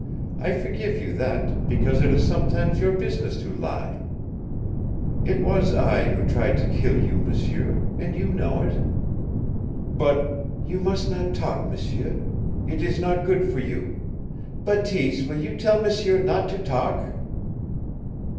"I forgive you that, because it is sometimes your business to lie. It was I who tried to kill you, m'sieu. And you know it." "But " "You must not talk, m'sieu. It is not good for you: Bateese, will you tell m'sieu not to talk?"